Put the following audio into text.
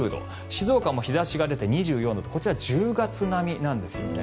静岡も日差しが出て２４度とこちら１０月並みなんですよね。